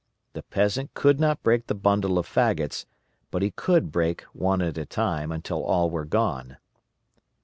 The peasant could not break the bundle of fagots, but he could break one at a time until all were gone.